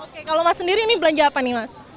oke kalau mas sendiri ini belanja apa nih mas